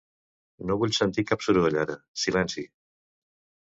No vull sentir cap soroll ara, silenci.